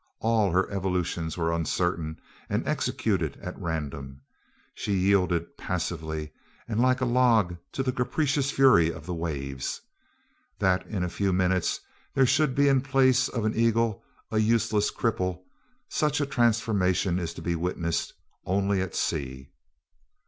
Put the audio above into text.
All her evolutions were uncertain and executed at random. She yielded passively and like a log to the capricious fury of the waves. That in a few minutes there should be in place of an eagle a useless cripple, such a transformation is to be witnessed only at sea.